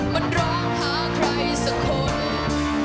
มันร้องหาใครสักคน